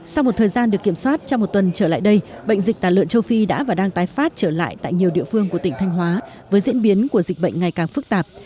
sau một thời gian được kiểm soát trong một tuần trở lại đây bệnh dịch tả lợn châu phi đã và đang tái phát trở lại tại nhiều địa phương của tỉnh thanh hóa với diễn biến của dịch bệnh ngày càng phức tạp